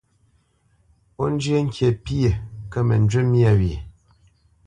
Ó zhyə́ ŋkǐ pyé, kə mə njyé myâ wyê.